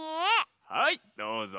はいどうぞ！